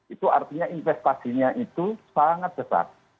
itu artinya investasinya itu sangat besar